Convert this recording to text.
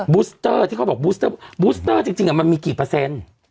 ูสเตอร์ที่เขาบอกบูสเตอร์บูสเตอร์จริงมันมีกี่เปอร์เซ็นต์